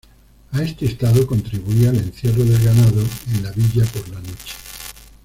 A este estado contribuía el encierro del ganado en la villa por la noche.